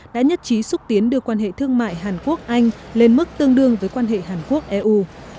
đã nhất trí xúc tiến đưa quan hệ thương mại hàn quốc anh lên mức tương đương với quan hệ hàn quốc eu